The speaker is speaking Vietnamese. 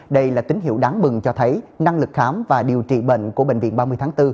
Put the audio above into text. đây là tín hiệu đáng mừng cho thấy năng lực khám và điều trị bệnh của bệnh viện ba mươi tháng bốn